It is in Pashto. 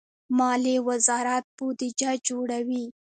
مالیې وزارت بودجه جوړوي